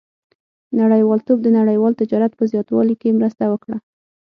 • نړیوالتوب د نړیوال تجارت په زیاتوالي کې مرسته وکړه.